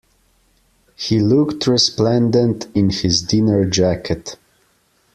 He looked resplendent in his dinner jacket